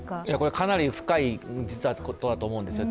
かなり深いことだと思うんですよ。